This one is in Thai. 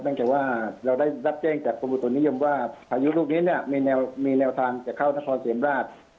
แม้แต่ว่าเราได้รับเจ้งจากภูมิตัวนิยมว่าพายุลูกนี้มีแนวทางจะเข้านครเศรียมราช